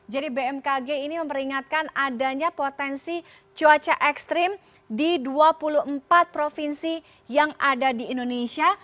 jadi bmkg ini memperingatkan adanya potensi cuaca ekstrim di dua puluh empat provinsi yang ada di indonesia